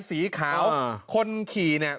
สีขาวคนขี่เนี่ย